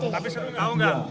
tapi kamu tahu nggak